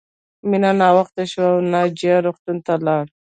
مینه ناوخته شوه او ناجیه روغتون ته لاړه